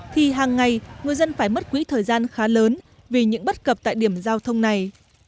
thì hàng ngày người dân phải mất quỹ thời gian khá lớn vì những bất cập tại điểm giao thông này